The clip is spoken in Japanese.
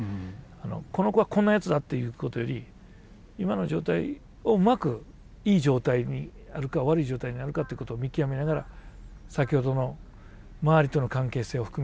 この子はこんなやつだということより今の状態をうまくいい状態にあるか悪い状態にあるかってことを見極めながら先ほどの周りとの関係性を含めてやっていく。